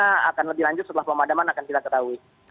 karena akan lebih lanjut setelah pemadaman akan kita ketahui